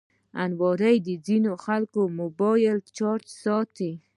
الماري کې ځینې خلک موبایل چارجر ساتي